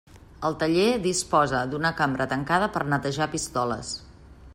El taller disposa d'una cambra tancada per netejar pistoles.